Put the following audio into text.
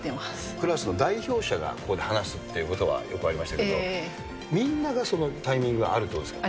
クラスの代表者が話すということはよくありましたけれども、みんながそのタイミングがあるということですか？